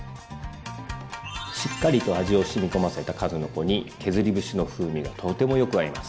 しっかりと味をしみこませた数の子に削り節の風味がとてもよく合います。